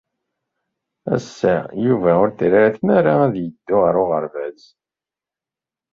Ass-a, Yuba ur t-terri ara tmara ad yeddu ɣer uɣerbaz.